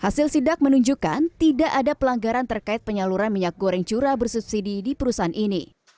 hasil sidak menunjukkan tidak ada pelanggaran terkait penyaluran minyak goreng curah bersubsidi di perusahaan ini